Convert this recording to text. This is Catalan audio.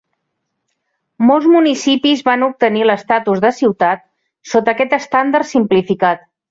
Molts municipis van obtenir l"estatus de ciutat sota aquest estàndard simplificat.